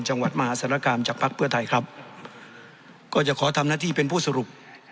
จังหวัดมหาศาลกรรมจากภักดิ์เพื่อไทยครับก็จะขอทำหน้าที่เป็นผู้สรุป